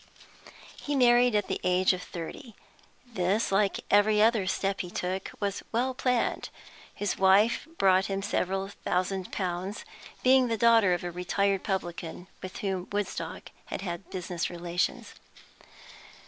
He married at the age of thirty. This, like every other step he took, was well planned; his wife brought him several thousand pounds, being the daughter of a retired publican with whom Woodstock had had business relations.